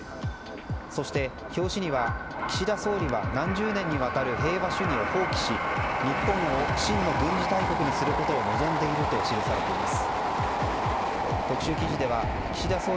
そして表紙には岸田総理は何十年にわたる平和主義を放棄し、日本を真の軍事大国にすることを望んでいると記されています。